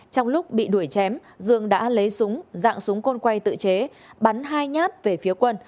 trong lúc bị đuổi chém dương đã lấy súng dạng súng côn quay tự chế bắn hai nhát về phía quân